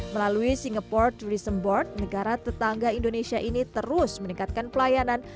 melalui singapore tourism board negara tetangga indonesia ini terus meningkatkan pelayanan